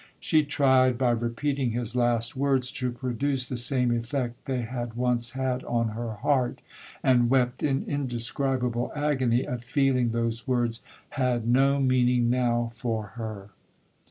She tried, by repeating his last words, to produce the same effect they had once had on her heart, and wept in indescribable agony at feeling those words had no meaning now for her.